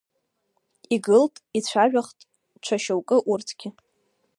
Игылт, ицәажәахт, ҽа шьоукы, урҭгьы…